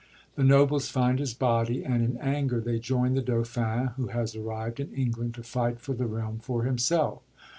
The nobles find his body, and in anger they join the Dauphin who has arrived in England to fight for the realm for himself.